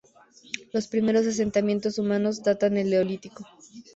Los primeros asentamientos humanos datan del Neolítico.